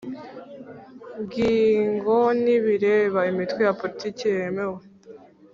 Ngingo ntibireba imitwe ya politiki yemewe